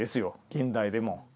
現代でも。